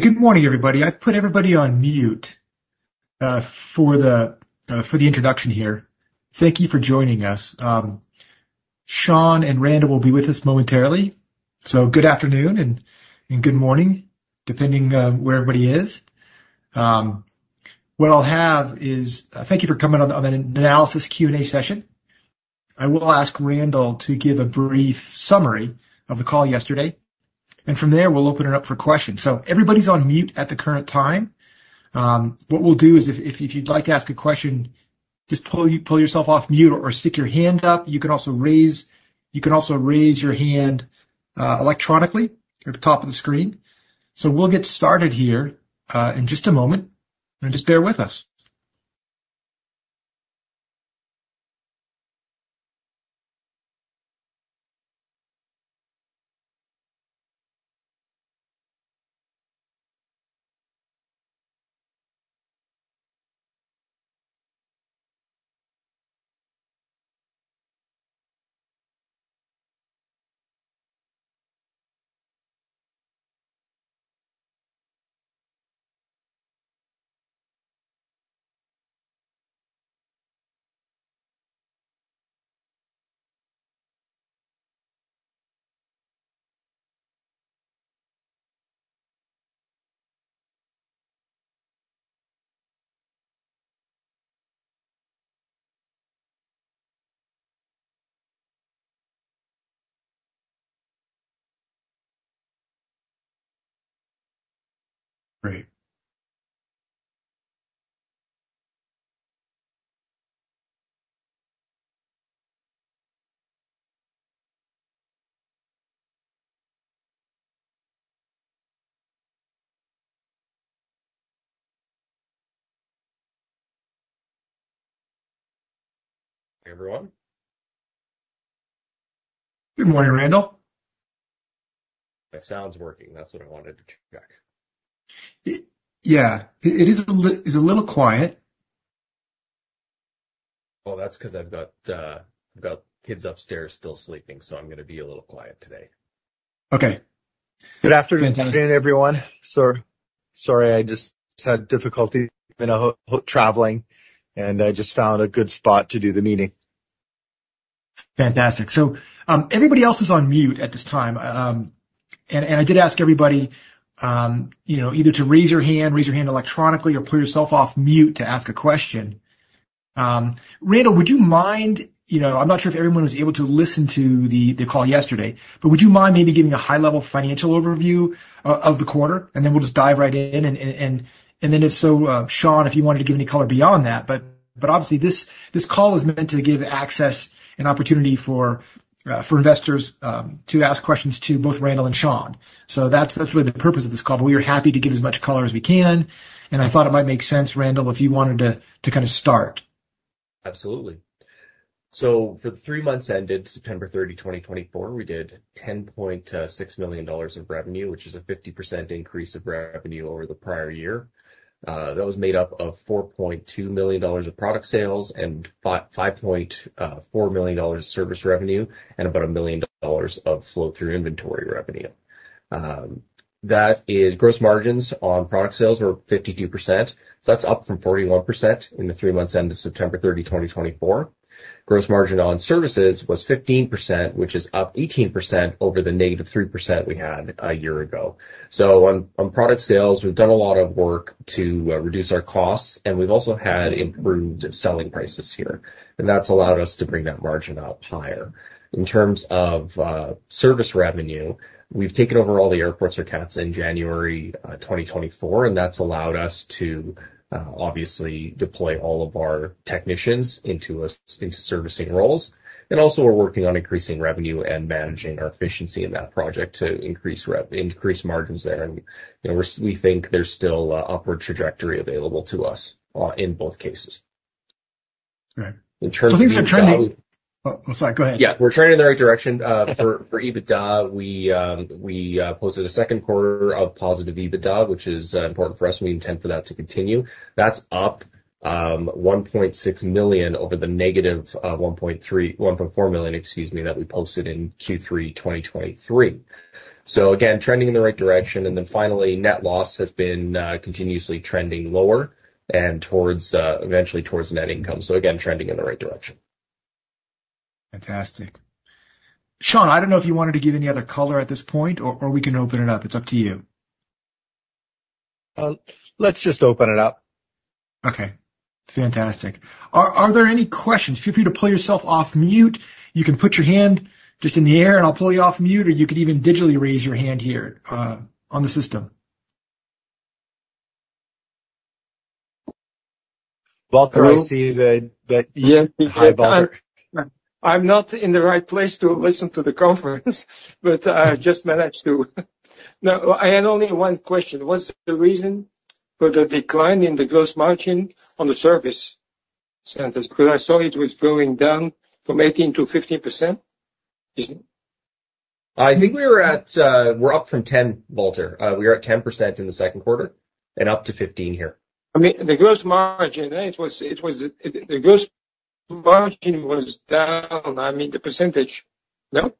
Good morning, everybody. I've put everybody on mute for the introduction here. Thank you for joining us. Sean and Randall will be with us momentarily. So good afternoon and good morning, depending where everybody is. What I'll have is, thank you for coming on the Nanalysis Q&A session. I will ask Randall to give a brief summary of the call yesterday, and from there, we'll open it up for questions. So everybody's on mute at the current time. What we'll do is, if you'd like to ask a question, just pull yourself off mute or stick your hand up. You can also raise your hand electronically at the top of the screen. So we'll get started here in just a moment. Just bear with us. Great. Hi, everyone. Good morning, Randall. My sound's working. That's what I wanted to check. Yeah. It is a little quiet. That's because I've got kids upstairs still sleeping, so I'm going to be a little quiet today. Okay. Good afternoon, everyone. Sorry, I just had difficulty. Been traveling, and I just found a good spot to do the meeting. Fantastic. So everybody else is on mute at this time, and I did ask everybody either to raise your hand, raise your hand electronically, or put yourself off mute to ask a question. Randall, would you mind, I'm not sure if everyone was able to listen to the call yesterday, but would you mind maybe giving a high-level financial overview of the quarter, and then we'll just dive right in, and then, if so, Sean, if you wanted to give any color beyond that. But obviously, this call is meant to give access and opportunity for investors to ask questions to both Randall and Sean, so that's really the purpose of this call, but we are happy to give as much color as we can, and I thought it might make sense, Randall, if you wanted to kind of start. Absolutely. So the three months ended September 30, 2024. We did 10.6 million dollars in revenue, which is a 50% increase of revenue over the prior year. That was made up of 4.2 million dollars of product sales and 5.4 million dollars of service revenue and about 1 million dollars of flow-through inventory revenue. Gross margins on product sales were 52%. So that's up from 41% in the three months ended September 30, 2024. Gross margin on services was 15%, which is up 18% over the negative 3% we had a year ago. So on product sales, we've done a lot of work to reduce our costs, and we've also had improved selling prices here. And that's allowed us to bring that margin up higher. In terms of service revenue, we've taken over all the airport's accounts in January 2024, and that's allowed us to obviously deploy all of our technicians into servicing roles, and also, we're working on increasing revenue and managing our efficiency in that project to increase margins there, and we think there's still an upward trajectory available to us in both cases. Right. So things are trending. I'm sorry, go ahead. Yeah. We're trending in the right direction. For EBITDA, we posted a second quarter of positive EBITDA, which is important for us. We intend for that to continue. That's up 1.6 million over the negative 1.4 million, excuse me, that we posted in Q3 2023. So again, trending in the right direction. And then finally, net loss has been continuously trending lower and eventually towards net income. So again, trending in the right direction. Fantastic. Sean, I don't know if you wanted to give any other color at this point, or we can open it up. It's up to you. Let's just open it up. Okay. Fantastic. Are there any questions? Feel free to pull yourself off mute. You can put your hand just in the air, and I'll pull you off mute. Or you could even digitally raise your hand here on the system. Walter, I see that you're high volume. I'm not in the right place to listen to the conference, but I just managed to. I had only one question. Was the reason for the decline in the gross margin on the service centers? Because I saw it was going down from 18% to 15%. I think we're up from 10%, Walter. We were at 10% in the second quarter and up to 15% here. I mean, the gross margin was down. I mean, the percentage, no?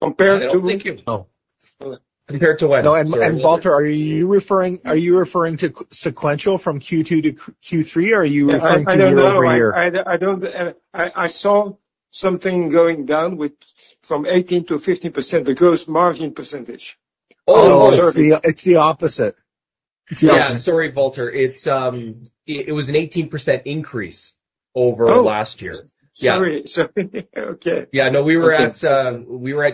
Compared to No, thank you. Compared to what? No, and Walter, are you referring to sequential from Q2 to Q3, or are you referring to the year over year? I don't' know. I saw something going down from 18% to 15%, the gross margin percentage. Oh, it's the opposite. It's the opposite. Yeah. Sorry, Walter. It was an 18% increase over last year. Oh, sorry. Sorry. Okay. Yeah. No, we were at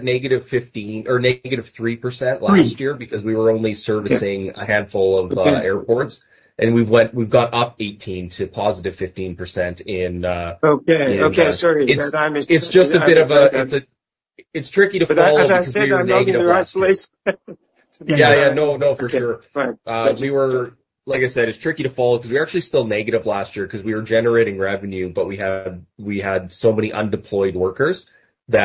negative 15% or negative 3% last year because we were only servicing a handful of airports. And we've gone up 18% to positive 15% in. Okay. Sorry. It's just a bit of a, it's tricky to follow. As I said, I'm not in the right place. Yeah. Yeah. No, no, for sure. Like I said, it's tricky to follow because we were actually still negative last year because we were generating revenue, but we had so many undeployed workers who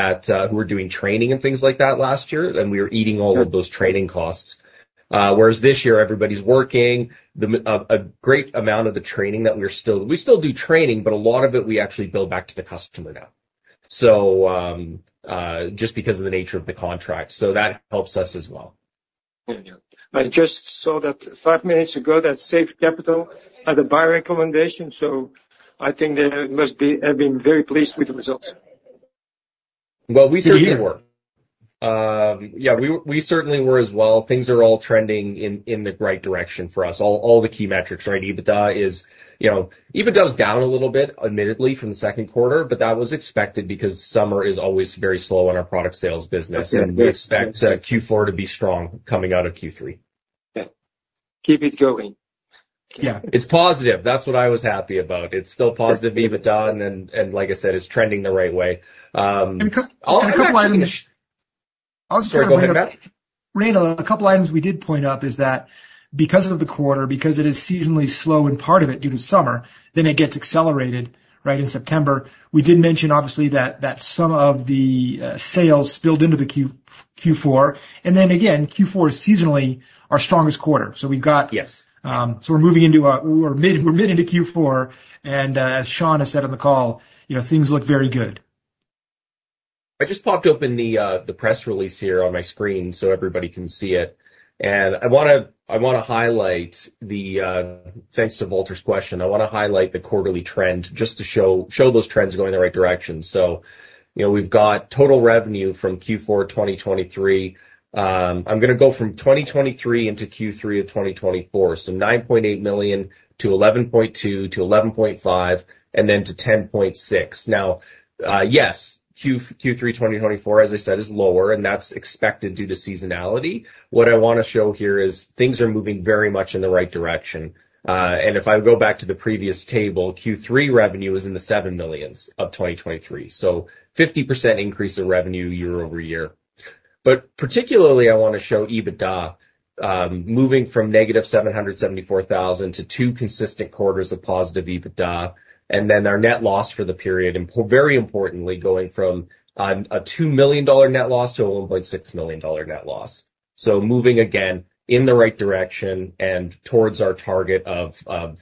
were doing training and things like that last year, and we were eating all of those training costs. Whereas this year, everybody's working. A great amount of the training that we're still—we still do training, but a lot of it we actually bill back to the customer now, just because of the nature of the contract. So that helps us as well. I just saw that five minutes ago that Safe Capital had a buy recommendation. So I think they must be. I've been very pleased with the results. We certainly were. Yeah. We certainly were as well. Things are all trending in the right direction for us. All the key metrics, right? EBITDA was down a little bit, admittedly, from the second quarter, but that was expected because summer is always very slow on our product sales business. We expect Q4 to be strong coming out of Q3. Yeah. Keep it going. Yeah. It's positive. That's what I was happy about. It's still positive EBITDA, and like I said, it's trending the right way. A couple of items. I'm sorry. Go ahead. Randall, a couple of items we did point up is that because of the quarter, because it is seasonally slow in part of it due to summer, then it gets accelerated, right, in September. We did mention, obviously, that some of the sales spilled into the Q4. And then again, Q4 is seasonally our strongest quarter. So we're moving into. We're mid into Q4. And as Sean has said on the call, things look very good. I just popped open the press release here on my screen so everybody can see it. And I want to highlight the, thanks to Walter's question, I want to highlight the quarterly trend just to show those trends going in the right direction. So we've got total revenue from Q4 2023. I'm going to go from 2023 into Q3 of 2024. So 9.8 million to 11.2 million to 11.5 million, and then to 10.6 million. Now, yes, Q3 2024, as I said, is lower, and that's expected due to seasonality. What I want to show here is things are moving very much in the right direction. And if I go back to the previous table, Q3 revenue was 7 million in 2023. So 50% increase in revenue year over year. But particularly, I want to show EBITDA moving from negative 774,000 to two consistent quarters of positive EBITDA, and then our net loss for the period, and very importantly, going from a 2 million dollar net loss to a 1.6 million dollar net loss. So moving again in the right direction and towards our target of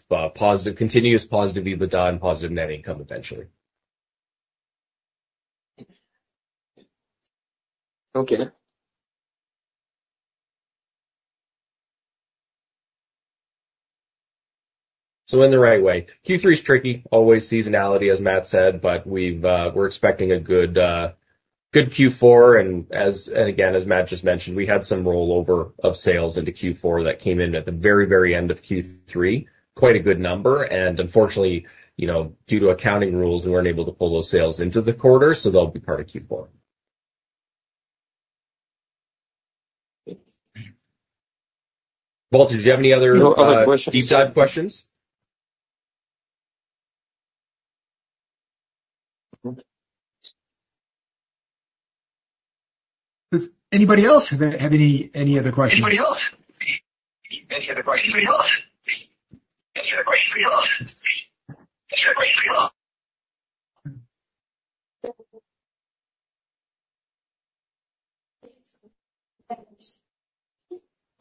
continuous positive EBITDA and positive net income eventually. Okay. So in the right way. Q3 is tricky, always seasonality, as Matt said, but we're expecting a good Q4. And again, as Matt just mentioned, we had some rollover of sales into Q4 that came in at the very, very end of Q3. Quite a good number. And unfortunately, due to accounting rules, we weren't able to pull those sales into the quarter, so they'll be part of Q4. Walter, do you have any other deep-dive questions? Does anybody else have any other questions? Anybody else?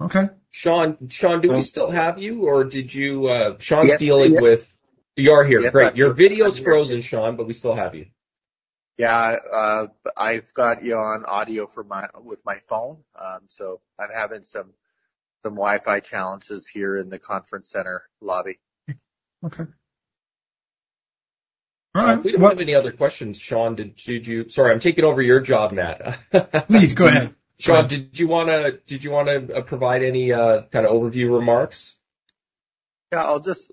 Okay. Sean, do we still have you, or did you... Sean's dealing with... you are here. Great. Your video's frozen, Sean, but we still have you. Yeah. I've got you on audio with my phone. So I'm having some Wi-Fi challenges here in the conference center lobby. Okay. All right. If we don't have any other questions, Sean, did you? Sorry, I'm taking over your job, Matt. Please go ahead. Sean, did you want to provide any kind of overview remarks? Yeah. I'll just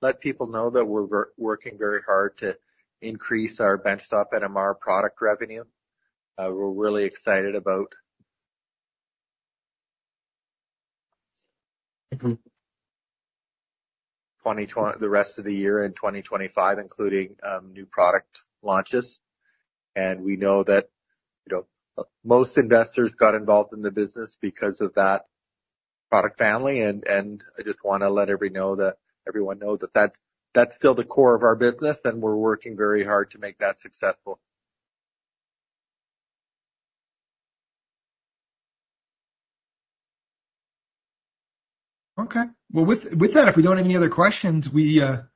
let people know that we're working very hard to increase our benchtop NMR product revenue. We're really excited about the rest of the year and 2025, including new product launches. And we know that most investors got involved in the business because of that product family. And I just want to let everyone know that that's still the core of our business, and we're working very hard to make that successful. Okay. Well, with that, if we don't have any other questions, we can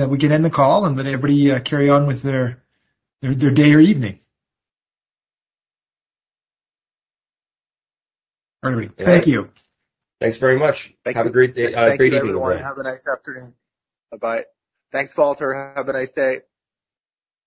end the call and let everybody carry on with their day or evening. Thank you. Thanks very much. Have a great day. Thank you, everyone. Have a nice afternoon. Bye-bye. Thanks, Walter. Have a nice day.